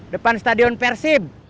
depan stadion persib